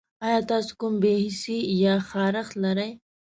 ایا تاسو کوم بې حسي یا خارښت لرئ؟